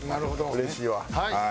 うれしいわ。